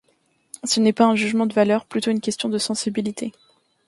Ce n'est pas un jugement de valeur, plutôt une question de sensibilité.